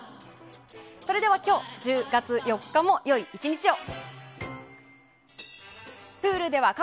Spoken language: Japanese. それでは今日、１０月４日もよい１日を。